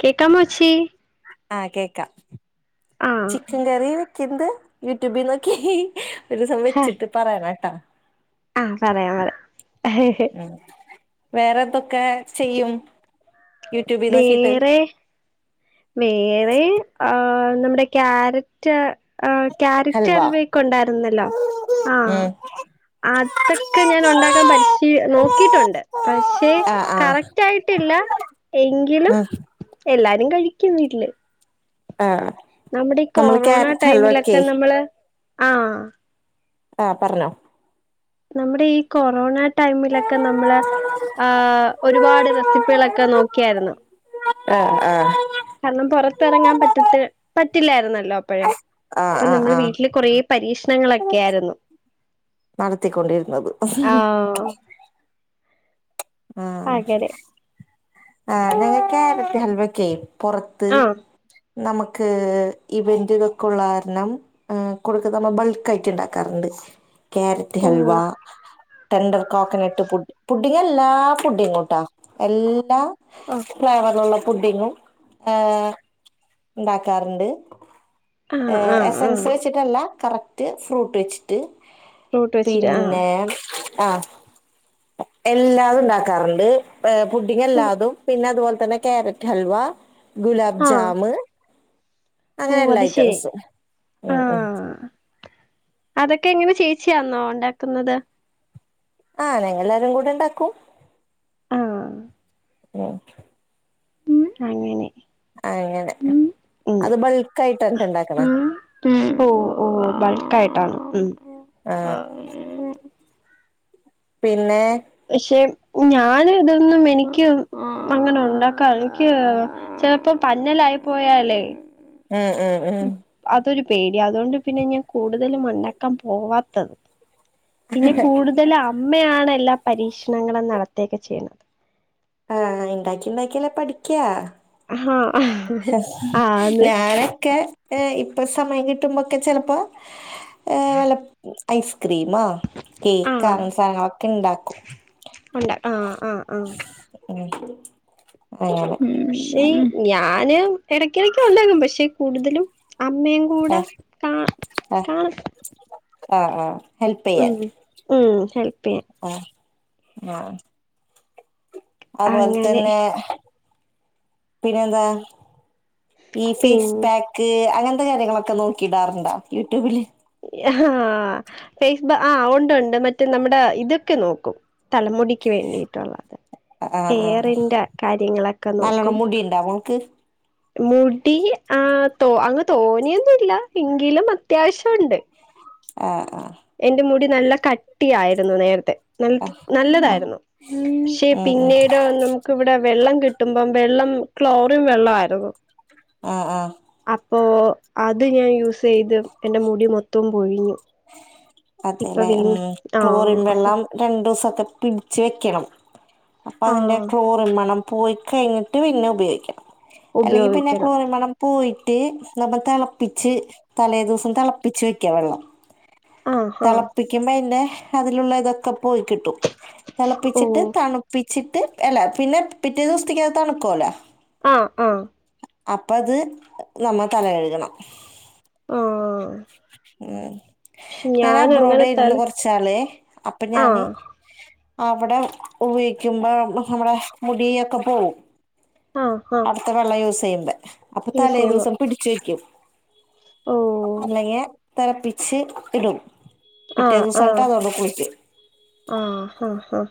കേക്കമോ ചെച്ചി ആഹ് കേക്കാം ആഹ് ചിക്കൻ കറി. എന്ത് യൂട്യൂബിൽ നോക്കി ഒരു ദസം വെച്ചിട്ട് പറയന കേട്ടാ ആഹ പറയാം പറയാം വേറെതൊക്കെ ചെയ്യും യൂട്യൂബിൽനോ ക്കിട്ട് വേറെ വേറെ ആ നമ്മുടെ ക്യാരറ്റ് ക്യാരറ്റ് ഹൽവ അൽവൊക്കെ ഉണ്ടായിരുന്നല്ലോ. ആഹ ഉം അതൊക്കെ ഞാൻ ഉണ്ടാക്കാൻ പരിശീ നോക്കിട്ടുണ്ട്. പക്ഷെ ആഹ് ആഹ് കറക്റ്റ് ആയിട്ടില്ല എങ്കിലും ഉം എല്ലാരും കഴിക്കും വീട്ടില്. ആഹ് നമ്മുടെ ഈ നമ്മള് കൊറോണ ക്യാരറ്റ് ഹൽവക്കെ ടൈമിലൊക്കെ നമ്മള് ആഹ് ആ പറഞ്ഞോ നമ്മുടെ ഈ കൊറോണ ടൈമിലൊക്കെ നമ്മള്. ആഹ് ഒരുപാട് റെസിപ്പികളൊക്കെ നോക്കിയായിരുന്നു. ആഹ് ആഹ് കാരണം പുറത്തിറങ്ങാൻ പറ്റത്തി പറ്റില്ലായിരുന്നല്ലോ അപ്പോഴേ ആഹ് അപ്പൊ ആഹ് നമ്മള് ആഹ് വീട്ടില് കൊറ പരീക്ഷണങ്ങളൊക്കെ ആയിരുന്നു നടത്തിക്കൊണ്ടിരുന്നത്. ആഹ് ആ അങ്ങനെ ആ ഞങ്ങള് ക്യാരറ്റ് ഹൽവോക്കെ പുറത്ത് ആഹ് നമുക്ക് ഇവൻറുകൾക്കുള്ള കാരണം ആ കൊടുക്ക നമ്മ ബൾക്ക് ആയിട്ട് ഉണ്ടാക്കാറുണ്ട്. ക്യാരറ്റ് ഓ halwa tender coconut put pudding എല്ലാ ഫുഡിങ്ങും ഇട എല്ലാ ഓ ഫ്ലേവറിനുള്ള ഫുഡിങ്ങും. ആഹ് ഉണ്ടാക്കാറുണ്ട്. ആഹ് ആഹ് ആഹ് എസൻസ് വെച്ചിട്ടല്ല കറക്റ്റ് ഫ്രൂട്ട് വെച്ചിട്ട്. എന്നിട്ട് ഫ്രൂട്ട് വെച്ചിട്ട് ആഹ് പിന്നെ ആ എല്ലാതും ഉണ്ടാക്കാറുണ്ട്. പുഡിങ്ങ് ഓ ല്ലാതും പിന്നെ അതുപോലെ തന്നെ കാരറ്റ് ഹൽവ. ഗുലാബ് ആഹ് ജാമ് ഓ അങ്ങനെ എല്ലാ അത് ശരി ഐറ്റംസ് ഉം ആഹ് അതൊക്കെ എങ്ങനെ ചേച്ചിയാന്നോ ഉണ്ടാക്കുന്നത്. ആഹ് ഞങ്ങൾല്ലാരും കൂടെ ഉണ്ടാക്കും ആഹ് ഓക്കേ അങ്ങനെ ആഹ് അങ്ങനെ ഉം അത് ബൾക്ക് ആയിട്ട് ന്നിട്ട് ഇണ്ടാക്കണ ഓഹ് ഓ ഹ് ബൾക്ക് ആയിട്ടാണ് ഉം ആഹ് പിന്നെ പക്ഷെ ഞാൻ ഇതൊന്നും എനിക്ക് അങ്ങനെ ഉണ്ടാക്കാ എനിക്ക് ചിലപ്പോ പഞ്ഞലായി പോയാലേ ഉം ഉം ഉം അതൊരു പേടി അതുകൊണ്ട് പിന്നെ ഞാൻ കൂടുതലും ഉണ്ടാക്കാൻ പോവാത്തത് പിന്നെ കൂടുതൽ അമ്മയാണ് എല്ലാ പരീക്ഷണങ്ങളും നടത്തയൊക്കെ ചെയ്യുന്നത് ആഹ് ഇണ്ടാക്കി ഇണ്ടാക്കിയല്ലെ പഠിക്കാ അഹ് ഞാനൊക്കെ ഏഹ് ഇപ്പൊ സമയം കിട്ടുമ്പോക്കെ ചെലപ്പോ വല്ല ഐസ്ക്രീമോ ആഹ് കേക്ക്ക്കങ്ങ സാനങ്ങളൊക്കെ ഇണ്ടാക്കും ഉണ്ട് ആഹ് ആഹ് ആഹ് ഉം ആഹ് പക്ഷേ ഞാന് എടക്കിടക് ഇണ്ടാകും പക്ഷെ കൂടുതലും അമ്മേ ആഹ് ആഹ് ആഹ് ആഹ് ഹെൽപ് ഉം ഉം ഹെൽപ്പ് ചെയ്യൻ ഉം ആഹ് അതുപോലെ അങ്ങനെ തന്നെ പിന്നെന്താ ഈ ഫേസ് പിന്നെ പാക്ക് അങ്ങനത്തെ കാര്യങ്ങളൊക്കെ നോക്കിയിടാറുണ്ടാ യൂട്യൂബില് ആഹ് ഫേസ്ബആഹ് ഉണ്ട് ഉണ്ട് മറ്റ നമ്മടെ ഇതൊക്കെ നോക്കും തലമുടിക്ക് വേണ്ടിയിട്ടുള്ളത് ആഹ് ഹെയറിന്റെ കാര്യങ്ങളൊക്കെ നോക്കും ടിണ്ടാ മോൾക്ക് മുടി ആഹ് തോ അങ്ങ് തോന്യൊന്നുല്ല എങ്കിലും അത്യാവശ്യണ്ട് ആഹ് ആഹ് എന്റെ മുടി നല്ല കട്ടിയായിരുന്നു നേരത്തെ നൽ ആഹ് ആഹ് ആഹ് നല്ലതായിരുന്നു പക്ഷെ ഉം ഉം പിന്നീട് നമ് ക്ക് ഇവിടെ വെള്ളം കിട്ടുമ്പം വെള്ളം ക്ലോറിൻ വെള്ളായിരുന്നു ആഹ് ആഹ് അപ്പോ അത് ഞാൻ യൂസ് ചെയ്ത് എന്റെ മുടി മൊത്തവും പൊഴിഞ്ഞു ഇപ്പൊ അതേല്ലേ ഉം വീണ്ടും ആഹ് ക്ലോറിൻ അപ്പൊ വെള്ളം രണ്ട് ദിവസൊക്കെ പിടിച്ച് വെക്കണം അപ്പം അതിൻ്റെ ആഹ് ക്ലോറിൻ മണം പോയ് കഴിഞ്ഞിട്ട് പിന്നെ ഉപയോഗിക്കണം അല്ലെങ്കിൽ പിന്നെ ഉപയോഗിക്കണം ക്ലോറിൻ മണം പോയിട്ട് നമ്മൾ തെളപ്പിച്ച് തലേദിവസം തളപ്പിച്ച് വയ്ക്ക വെള്ളം ആഹ് ആഹ് തളപ്പിക്കുമ്പോ അയ്‌ന്റെ അതിലുള്ള ഇതൊക്കെ പോയി കിട്ടും ഓ തിളപ്പിച്ചിട്ട് തണു പിച്ചിട്ട് അല്ല പിന്നെ പിറ്റേ ദിവസ്തിക്കത് തണുക്കുവോലോ ആഹ് ആഹ് അപ്പ അത് നമ്മ തല കഴുകണം ആഹ് ഉം പക്ഷെ ഞാൻ അബ്രോഡായിരുന്നു അങ്ങനെത്താല് കൊറച്കാലേ അപ്പൊ ഞാന് ആഹ് അവടെ ഉപയോഗിക്കുമ്പോ നമ്മടെ മുടി ഒക്കെ പോകും ആഹ് ഹ ത്ത വെള്ളയൂസയ്യ്ൺണ്ട് അപ്പൊ തലേ ദിവസം പിടിച് വെക്ക്യും ഓ അല്ലെങ്ങെ തളപ്പിച്ച് ഇടും പിറ്റേ ആഹ് ആഹ് ദിവസാൺട്ടതോണ്ട് കുളിക്ക്യും ആഹ് ആഹ് ആഹ്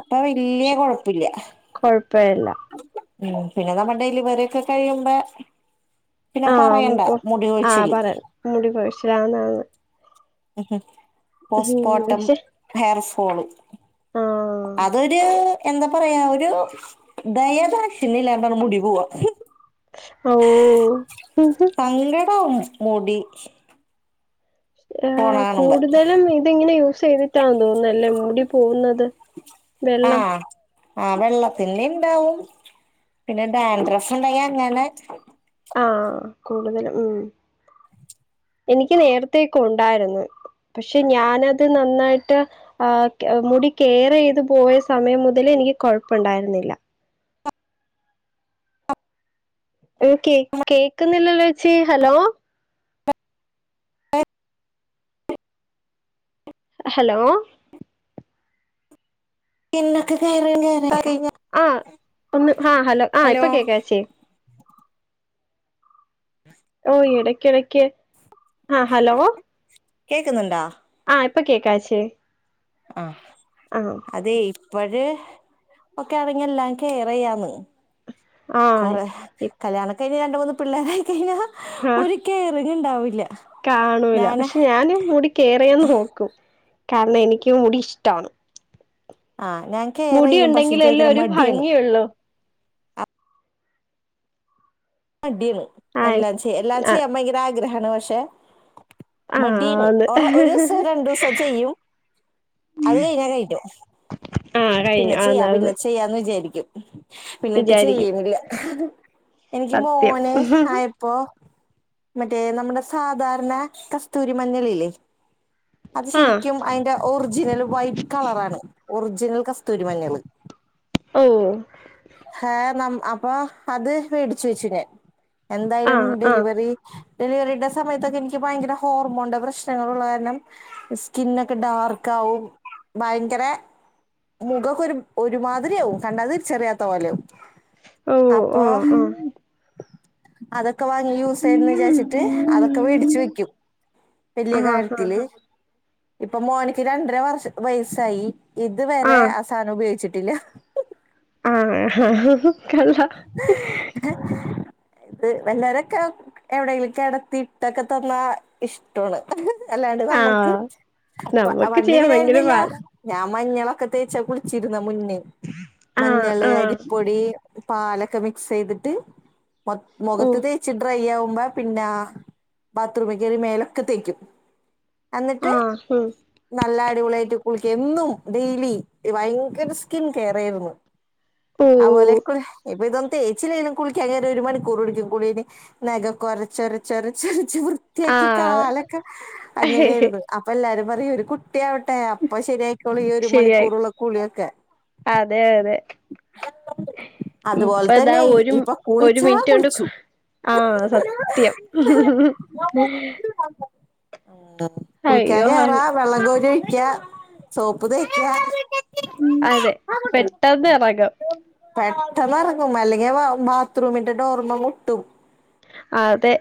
അപ്പൊ വല്യേ കൊഴപ്പുല്ല്യ കൊഴപ്പേല്ല ഉം പിന്നെ നമ്മ ഡെലിവറിയൊക്കെ കഴിയുമ്പാ പിന്നെ പറയണ്ട മുടികൊഴിച്ചില് മുടികോഴിശ്ശിലാന്നാന്ന് ഹ് ഹും ഉം, പോസ്പോട്ടം പക്ഷെ ഹെയർ ഫോള് ആഹ് അതൊര് എന്താ പറയാ ഒരു ദയദാക്ഷിൻ നീ ഇല്ലാണ്ടാണ് മുടി പോവാ ആവോ സങ്കടാവും മുടി പോണ ആഹ് കാണുമ്പോ കൂട്തലും ഇതിങ്ങനെ യൂസ് ചെയ്തി ട്ടാതോന്ന്വല്ല മുടി പോവുന്നത് വെള്ളം ആഹ് വെള്ളതിന്നിണ്ടാവും പിന്നെ ഡാൻഡ്രസുണ്ടങ്ങെ അങ്ങനെ ആഹ് കൂടുതലും ഉം എനിക്ക് നേരത്തേക്കുണ്ടാര്ന്നു പക്ഷെ ഞ്യാനത് നന്നായിട്ട ആഹ് ക്യ മുടി കേറീത് പോയ സമയം മുതലേൻക്ക് കൊഴപ്പണ്ടാര്ന്നില്ല ഉം കേ കേക്ക്ന്നില്ലല്ലോയെച്ചി ഹലോ ഹലോ പിന്നൊക്കെ കയറാൺ കറിം ആഹ് ഒന്ന് ഹാ ഹലോ ആഹ് ഇപ്പൊ കേക്കാച്ചി ഓഹ് എടയ്ക്കിടയ്ക്ക് കേക്ക്ന്ന്ണ്ടാ ആഹ് ഇപ്പൊ കേക്കാച്ചി ആഹ് ആഹ് അതെ ഇപ്പഴ് ഒക്ക്യാണങ്കി എല്ലാം കേറിയാന്ന് ആഹ് കൊറെ കല്യാണക്കെ കഴിഞ്ഞെ രണ്ട് മൂന്ന് പിള്ളേരായികയ്ഞ്ഞാ ഹാ കാണൂല ഞാന് പക്ഷെ ഞാൻൻ്റെ മുടി കെയറിയ്യാന്ന് നോക്കും കാര്ന എനിക്ക് മുടി ഇഷ്റ്റാണ് ആഹ് ഞാൻ കേയറിയ്യും പക്ഷെ ചോയ്ക്കിന് മട്യാണ് എള്ളു മട്യാണ് എല്ലാച്ച്യ ആഹ് എല്ലാച്ചിയ്യാം ഭയങ്കര ആഗ്രഹാണ് പക്ഷെ ആഹ് മടീന്ന് ആന്ന് ഒറ ഒരുസോ രണ്ടുസോ ചെയ്യും അത്കയ്ഞ്ഞാ കയ്ഞു ആഹ് കഴിഞ്ഞു പിന്നെ ആന്ന് ചിയ്യാം ആന്ന് പിന്നെ ചിയ്യാന്ന് വിജാരിക്ക്യും പിന്നിട്ട് വിചാരിക്കും ചെയ്യ്ണില്ല എൻക്ക് സത്യം മോന് ആയ പ്പൊ മറ്റേ നമ്മ്ടെ സാധാര്ന കസ്തൂരി മഞ്ഞളില്ലേ അത് ആഹ് ശരിക്ക്യും ഐന്റെ ഓർജിനല് വൈറ്റ് കളറാണ് ഒറിജിനൽ കസ്തൂരിമഞ്ഞള് ഉം ഹേ നം അപ്പൊ അത് വേടിച്ചു വെച്ചുനാൻ എന്തായാലും ആഹ് ആഹ് ഡെലിവറി ഡെലിവെറിടെ സമയത്തൊക്കെ ൻക്ക് ഭയങ്കര ഹോർമോൺന്റെ പ്രശ്നങ്ങളുള്ള കാര്നം സ്കിന്നൊക്കെ ഡാർക്കാവും. ഭയങ്കര മുഖക്കൊരു ഒരുമാതിരിയാവും കണ്ടാതിരിച്ചെറിയാത്ത പോലെയാവും. ഓ ഓ അപ്പൊ ആഹ് അതൊക്കെ വാങ്ങി യൂസ് ചെയ്യുന്നും വിചാരിച്ചി ട്ട് അതൊക്കെ വേടിച്ച് വെക്കും വല്യ ആഹ് ഹാ കാര്യത്തില്. ഹാ ഇപ്പൊ മോനിക്ക് രണ്ടര വർഷ വയസ്സായി ഇത് വ രെ ആ സാനം ഉപയോഗിച്ചിട്ടില്ല. ആഹ് ഹഹുഹു കള്ളാ. ഇത് വല്ലോരൊക്കെ എവിടെലും കെടത്തി ഇട്ടൊക്കെ തന്നാ ഇഷ് ടോണ്. അല്ലാണ്ട് നമ്മക്ക് ആഹ് പ നമ്മക്ക് ചെയ്യാൻ വണ്ണിങ്ങനെ ഭയങ്കര ആയിരുന്നില്ല. പാടാ ഞാൻ മഞ്ഞളൊക്കെ തേച്ചാ കുളിച്ചിരുന്ന മുന്നേ. ആഹ് മഞ്ഞള്, ആഹ് അരിപ്പൊടി, പാലൊക്കെ മിക്സ് ചെയ്തിട്ട് മൊ ഓ മുഖത്ത് തേ ച്ച് ഡ്രൈ ആവുമ്പോ പിന്നാ ബാത്റൂമിൽ കേറി മേലൊക്കെ തേക്ക്യും. അന്നിട്ട് ആഹ് ഉം നല്ല അടിപൊളിയായിട്ട് കുളിക്ക്യ എന്നും ഡെയിലി ഭയങ്കര സ്കിൻ കെയറേര്ന്ന്. ഓ അത്പോലെ കുൾ ഇപ്പ ഇതൊന്നും തേച്ചില്ലേനും കുളിക്ക്യാൻ കേറിയാ ഒരു മണിക്കൂറ് പിടിക്കും കുളിയയ്ഞ് നെഖൊക്കൊരച്ചൊരച്ചൊരച്ചൊരച്ച് വൃ ത്തിയാക്കി ആഹ് കാലൊക്കെ അങ്ങനെയായിര്ന്ന്. അപ്പൊ എല്ലാരും പറയും ഒരു കുട്ടിയാവട്ടെ അപ്പൊ ശരിയാ ക്യോളു ഈ ഒരു മണിക്കൂറ്ള്ള കുളിയൊക്കെ. അതെയതെ. അതുപോലെ തന്നെ ഒരു ഇപ്പൊ ഒരു കുളിച്ചാ മിനിറ്റ് കൊണ്ട് കുളിച്ചു. ആഹ് സത്യം. [unintelligible] ആഹ് കുളിക്കാൻ അയ്യോ കേറാ വെള്ളം കോരി ഒഴിക്ക്യാ സോപ്പ് തേക്ക്യാ അതെ പെട്ടെന്ന് ഇറങ്ങും. പെട്ടെന്നെറങ്ങും അല്ലെങ്കിൽ വാ ബാത്റൂമിന്റെ ഡോറിമ്മെ മുട്ടും. അതെ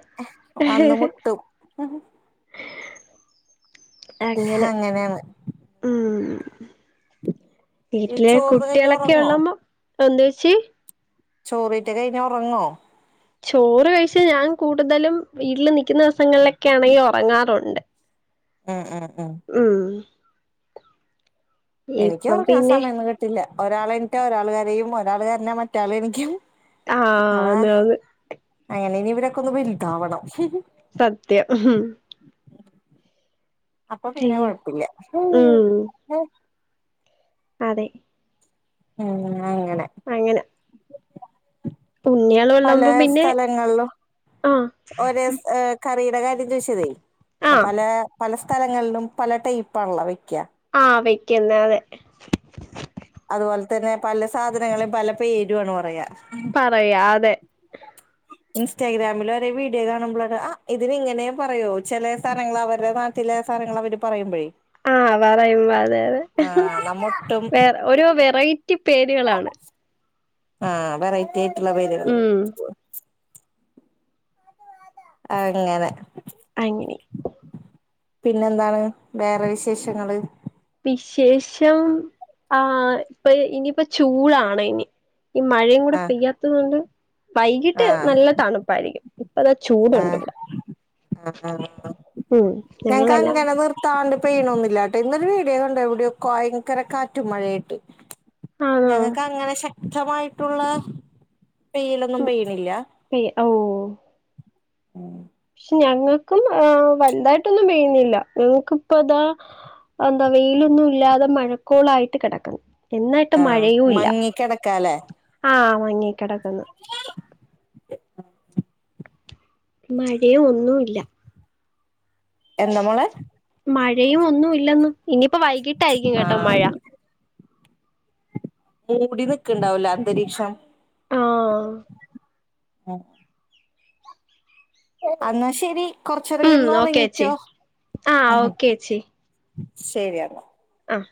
വന്ന് മുട്ടും. അങ്ങനെ അങ്ങനെയാണ് ഉം. ഈ വീട്ടിലെ ചോർന്ന് കഴിഞ്ഞ കുട്ടിയേളൊക്കെ ഉറങ്ങോ ഉള്ളമ്പം എന്തോച്ചി ചോറീറ്റ കഴിഞ്ഞാ ഉറങ്ങോ? ചോറ് കഴിച്ചാ ഞാൻ കൂടുതലും വീട്ടിൽ നിക്കുന്ന ദിവസങ്ങളിലൊക്കെ ആണെങ്കി ഒറങ്ങാറുണ്ട്. ഉം ഉം ഉം. ഉം എനിക്ക് ഇപ്പം ഉറങ്ങാൻ പിന്നെ സമയൊന്നും കിട്ടില്ല. ഒരാൾ എണീറ്റാ ഒരാൾ. കരയും ഒരാൾ കരഞ്ഞാ മറ്റേയാൾ എണീക്കും. ആന്ന് [unintelligible] അങ്ങനെ ഇനി ഇവരൊക്കെ ഒന്ന് വൽതാവണം. സത്യം ഉംഹും. അപ്പൊ പിന്നെ അയ്യോ കുഴപ്പില്ല്യ. ഉം അതെ. ഉം അങ്ങനെ. അങ്ങനെ ഉണ്ണിയാള് ഉള്ളമ്പോ പലേ പിന്നെ സ്ഥലങ്ങളിലും ആഹ് ഒരേ സ് ഏഹ് കറിയുടെ കാര്യം ചോദിച്ചതേ ആഹ് പലേ പല സ്ഥലങ്ങളിലും പല ടൈപ്പാണല്ലോ വെക്ക്യാ. ആന് വെക്ക്യുന്നെ അതെ. അതുപോലെ തന്നെ പല സാധനങ്ങളേം പല പേരു ആണ് പറയാ. പറയാ അതെ. [inaudible] ഇൻസ്റ്റാഗ്രാമിൽ ഒരേ വീഡിയോ കാണുമ്പ്ളൊക്കെ ആഹ് ഇതിനിങ്ങനെയും പറയോ. ചെലേ സ്ഥലങ്ങൾ അവര്ടെ നാ ചില സാധനങ്ങൾ അവര് പറയുമ്പോഴേ ആഹ് പറയുമ്പോ അതെ അതെ ആ നമ്മൊട്ടും വേറെ ഓരോ വെറൈറ്റി പേരുകളാണ് ആഹ് വെറൈറ്റി ആയിട്ടുള്ള പേരുകൾ ഉം അങ്ങനെ അങ്ങനെ പിന്നെന്താണ് വേറെ വിശേഷങ്ങള് വിശേഷം ആ ഇപ്പൊ ഇനിപ്പ ചൂടാണ് ഇനി ഈ മഴയും കൂടെ ആ പെയ്യാത്തത് കൊണ്ട് വൈകിട്ട് ആ നല്ല തണുപ്പായിരിക്കും അപ്പ അതാ ചൂടു ആ ഉണ്ട് ഇവിടെ ആ ആ ഉം ഞങ്ങളെല്ലാം താണ്ട് പെയ്യണൊന്നുമില്ലാട്ടോ ഇന്നൊരു വീഡിയോ കണ്ട് എവിടെയോ ഭയങ്കര കാറ്റും മഴയായിട്ട് ആണോ ഞങ്ങക്ക് അങ്ങനെ ശക്തമായിട്ടുള്ള പെയ്യലൊന്നും പെയ്യണില്ല പി ഓ [inaudible] പക്ഷെ ഞങ്ങൾക്കും വല്ലതായിട്ടൊന്നും പെയ്യുന്നില്ല ഞങ്ങൾക്കിപ്പതാ അതെന്താ വെയിലൊന്നും ഇല്ലാതെ മഴക്കോളായിട്ട് കിടക്കുന്നു എന്നായിട്ട് ആ മഴയും ഇല്ല മങ്ങിക്കിടക്കാല്ലേ ആ മങ്ങി കിടക്ക്ന്ന് [inaudible] മഴയും ഒന്നുല്ല എന്താ മോളെ മഴയും ഒന്നുംല്ലെന്ന് ഇനിയിപ്പോ വൈകിട്ടായിരിക്കും കേട്ടോ ആഹ് മഴ മൂടി നിക്കണ്ടാവലേ അന്തരീക്ഷം ആഹ് [inaudible] അന്നാ ശെരി കൊറച്ച് നേരം ഉം കിടന്ന് ഓക്കേച്ചി ഉറങ്ങിക്കോ ആഹ് ഉം ഓക്കേച്ചി ശരി എന്നാ ആഹ്